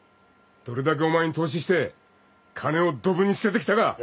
どれだけお前に投資して金をどぶに捨ててきたか。